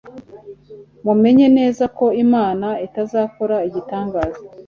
Mumenye neza ko Imana itazakora igitangaza